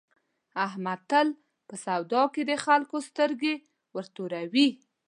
احمد تل په سودا کې د خلکو سترګې ورتوروي.